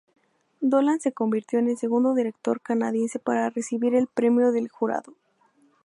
Dolan se convirtió en el segundo director canadiense para recibir el Premio del jurado.